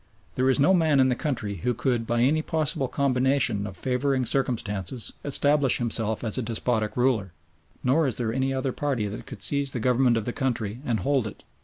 There is no man in the country who could by any possible combination of favouring circumstances establish himself as a despotic ruler. Nor is there any one party that could seize the government of the country and hold it.